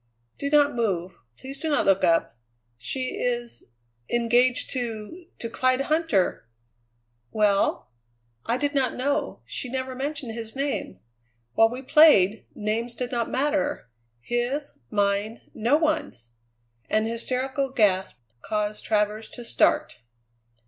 "Do not move. Please do not look up. She is engaged to to Clyde Huntter!" "Well?" "I did not know; she never mentioned his name. While we played, names did not matter his, mine, no one's." An hysterical gasp caused Travers to start.